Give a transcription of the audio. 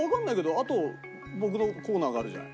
あと僕のコーナーがあるじゃない。